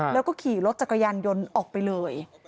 แล้วก็ขี่รถจักรยานยนต์ออกไปเลย